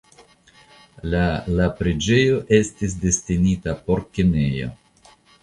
La la preĝejo estis destinita por kinejo.